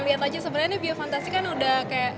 nah lihat aja sebenarnya bio fantasi kan udah kayak